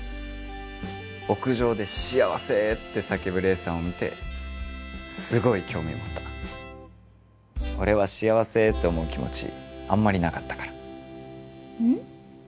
屋上で幸せって叫ぶ黎さんを見てすごい興味持った俺は幸せーって思う気持ちあんまりなかったからうん？